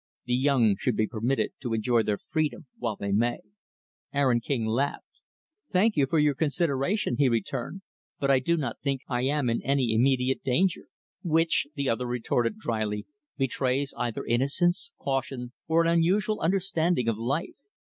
The young should be permitted to enjoy their freedom while they may." Aaron King laughed. "Thank you for your consideration," he returned, "but I do not think I am in any immediate danger." "Which" the other retorted dryly "betrays either innocence, caution, or an unusual understanding of life.